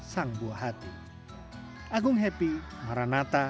dan juga untuk mencari kemampuan anak yang sangat berpengaruh dan sangat berpengaruh